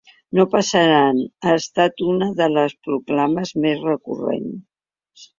No passaran ha estat una de les proclames més recurrents.